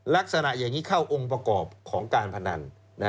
ลักษณะอย่างนี้เข้าองค์ประกอบของการพนัน